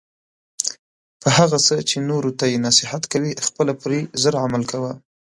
په هغه څه چې نورو ته یی نصیحت کوي خپله پری زر عمل کوه